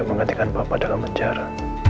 mengantikan papa dalam penjara